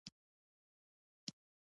د ژوند شپږ قوانین په یاد وساتئ پوه شوې!.